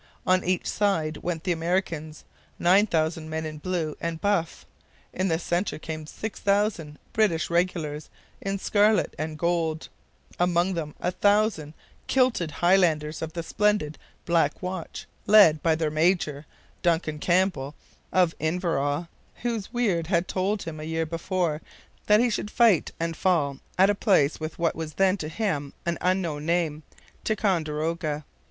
On each side went the Americans, 9,000 men in blue and buff. In the centre came 6,000 British regulars in scarlet and gold, among them a thousand kilted Highlanders of the splendid 'Black Watch,' led by their major, Duncan Campbell of Inverawe, whose weird had told him a year before that he should fight and fall at a place with what was then to him an unknown name Ticonderoga.